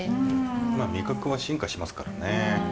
まあ味覚は進化しますからね。